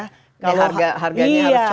harganya harus cocok